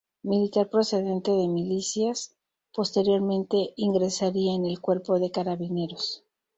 Militar procedente de milicias, posteriormente ingresaría en el Cuerpo de Carabineros.